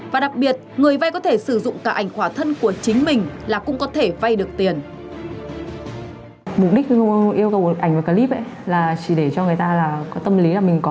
và đặc biệt người vay có thể sử dụng cả ảnh khỏa thân của chính mình là cũng có thể vay được tiền